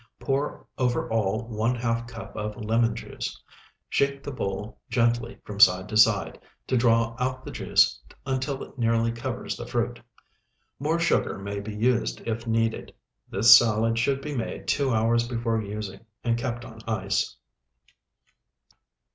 Pour over all one half cup of lemon juice. Shake the bowl gently from side to side, to draw out the juice until it nearly covers the fruit. More sugar may be used if needed. This salad should be made two hours before using, and kept on ice.